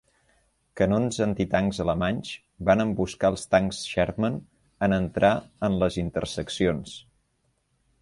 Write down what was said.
Canons antitancs alemanys van emboscar els tancs Sherman en entrar en les interseccions.